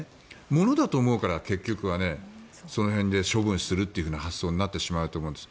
ものだと思うから、結局はその辺で処分するという発想になってしまうと思うんです。